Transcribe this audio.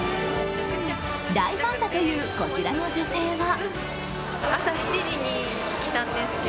大ファンだというこちらの女性は。